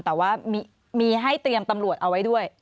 แต่ว่ามีให้เตรียมตำรวจเอาไว้ด้วย